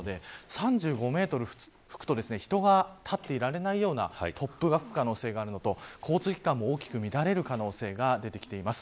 ３５メートル吹くと人が立っていられないような突風が吹く可能性があるのと交通機関も大きく乱れる可能性が出てきています。